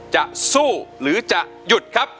จะสู้หรือจะหยุดครับ